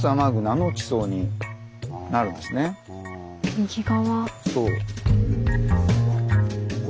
右側。